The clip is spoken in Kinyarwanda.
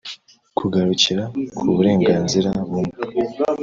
kugarukira ku burenganzira bumwe